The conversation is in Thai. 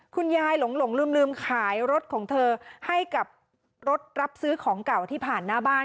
คุณยายหลงลืมขายรถของเธอให้กับรถรับซื้อของเก่าที่ผ่านหน้าบ้าน